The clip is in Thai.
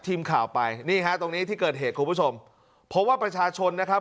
ทีมข่าวไปนี่ฮะตรงนี้ที่เกิดเหตุคุณผู้ชมเพราะว่าประชาชนนะครับ